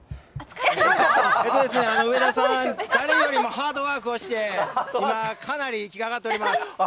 上田さん、誰よりもハードワークをして、今、かなり息が上がっております。